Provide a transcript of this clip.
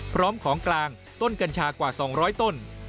พร้อมของกลางต้นกัญชากว่า๒๐๐ต้น